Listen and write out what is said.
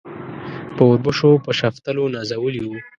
په اوربشو په شفتلو نازولي وو.